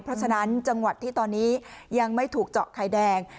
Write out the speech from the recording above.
เพราะฉะนั้นจังหวัดที่ตอนนี้ยังไม่ถูกเจาะไข่แดง